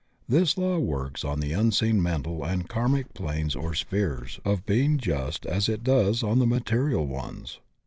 This law works on the unseen mental and karmic planes or spheres of being just as it does on the mate rial ones.